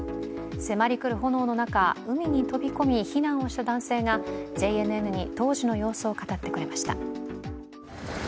迫り来る炎の中、海に飛び込み、避難をした男性がＪＮＮに当時の様子を語ってくれました。